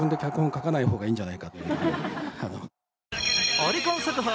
オリコン速報。